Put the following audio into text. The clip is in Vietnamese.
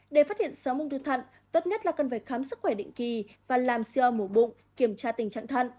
để phát hiện sớm ung thư thận tốt nhất là cần phải khám sức khỏe định kỳ và làm siêu mổ bụng kiểm tra tình trạng thận